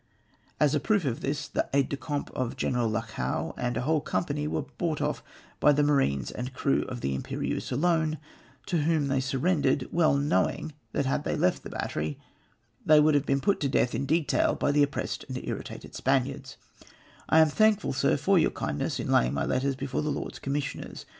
As a proof of this, M 2 164 PASSED UXNOTICED, the aid de camp of General Lecliu, and a whole company were brought off by the marines and crew" of the Tmjjerieuse alone, to whom they surrendered, well knomng that had they left the battery they would have been put to death in detail by the oppressed and irritated Spaniards, " I am thankful, Sir, for your kindness in laying my letters before the Lords Commissioners.